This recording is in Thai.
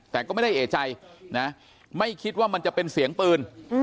แต่ก็ไม่ได้เอกใจนะไม่คิดว่ามันจะเป็นเสียงปืน